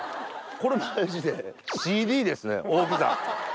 これマジでＣＤですね大きさ。